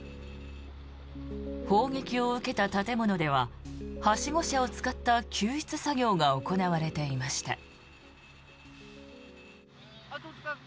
砲撃を受けた建物でははしご車を使った救出作業が行われていました。